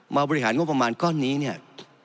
บริหารงบประมาณก้อนนี้เนี่ย